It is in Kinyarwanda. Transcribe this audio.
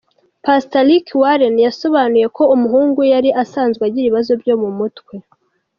Pastor Rick Warren yasobanuye ko umuhungu we yari asanzwe agira ibibazo byo mu mutwe.